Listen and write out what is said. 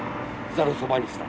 ざるそばにした。